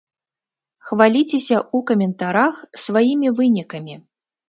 Хваліцеся ў каментарах сваімі вынікамі!